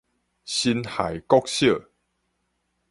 辛亥國小